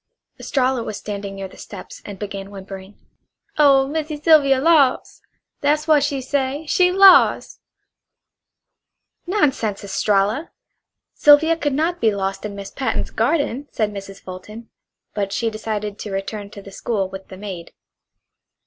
Estralla was standing near the steps and began whimpering: "Oh, Missy Sylvia los'! That w'at she say. She lost!" "Nonsense, Estralla! Sylvia could not be lost in Miss Patten's garden," said Mrs. Fulton; but she decided to return to the school with the maid.